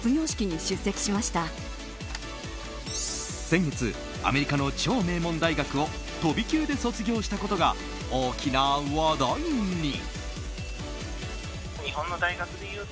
先月、アメリカの超名門大学を飛び級で卒業したことが大きな話題に。